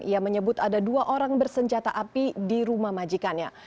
ia menyebut ada dua orang bersenjata api di rumah majikannya